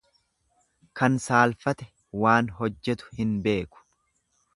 Kan saalfate waan hojjetu hin beeku.